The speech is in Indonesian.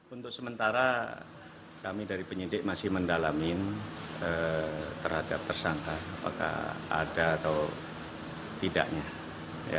untuk sementara kami dari penyidik masih mendalamin terhadap tersangka apakah ada atau tidaknya